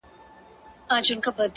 خود نو په دغه يو سـفر كي جادو!!